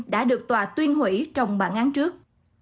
đã được tòa tuyên hủy trong bản án trước